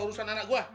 urusan anak gua